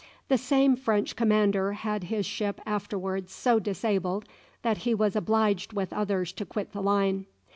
The same French commander had his ship afterwards so disabled that he was obliged with others to quit the line.